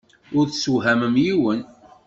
Ur tessewhamem yiwen.